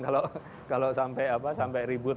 kalau sampai ribut